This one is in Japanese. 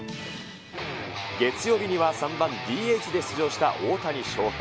月曜日には３番ＤＨで出場した大谷翔平。